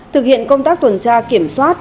thực hiện công tác tuần tra kiểm soát